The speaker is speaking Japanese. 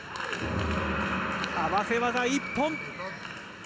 合わせ技一本。